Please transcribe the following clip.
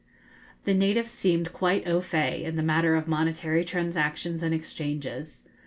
The natives seemed quite au fait in the matter of monetary transactions and exchanges.